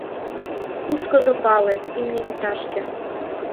— Кушкыжо пале... имне вӱташке.